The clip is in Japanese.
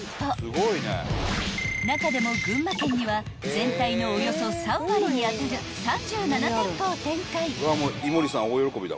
［中でも群馬県には全体のおよそ３割に当たる３７店舗を展開］